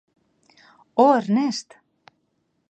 Oh, Ernest!